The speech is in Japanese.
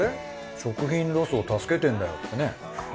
食品ロスを助けてんだよってね。